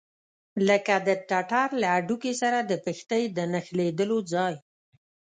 لکه د ټټر له هډوکي سره د پښتۍ د نښلېدلو ځای.